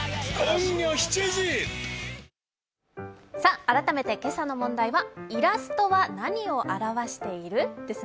改めて今朝の問題はイラストは何を表している？です。